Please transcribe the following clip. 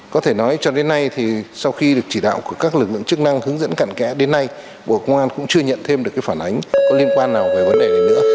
có thể nói cho đến nay thì sau khi được chỉ đạo của các lực lượng chức năng hướng dẫn cạnh kẽ đến nay bộ công an cũng chưa nhận thêm được cái phản ánh có liên quan nào về vấn đề này nữa